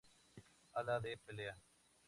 Ala De Pelea.